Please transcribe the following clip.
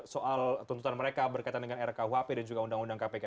soal tuntutan mereka berkaitan dengan rkuhp dan juga undang undang kpk